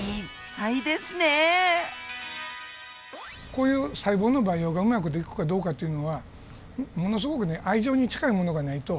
こういう細胞の培養がうまい事いくかどうかというのはものすごくね愛情に近いものがないと。